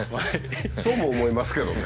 そうも思いますけどね。